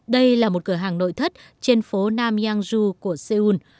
đây là một cửa hàng nội thất trên phố nam yangju của seoul